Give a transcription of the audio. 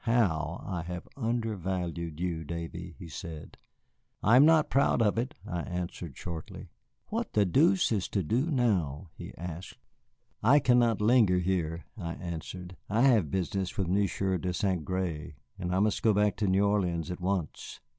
"How I have undervalued you, Davy," he said. "I am not proud of it," I answered shortly. "What the deuce is to do now?" he asked. "I cannot linger here," I answered; "I have business with Monsieur de Saint Gré, and I must go back to New Orleans at once."